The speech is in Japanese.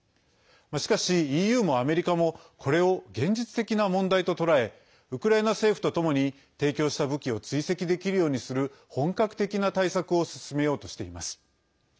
しかし、ＥＵもアメリカもこれを現実的な問題と捉えウクライナ政府とともに提供した武器を追跡できるようにする本格的な対策を進めようとしています。